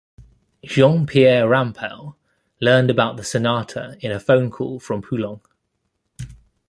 Jean-Pierre Rampal learned about the sonata in a phone call from Poulenc.